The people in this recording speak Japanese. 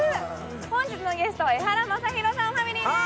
本日のゲストエハラマサヒロさんファミリーです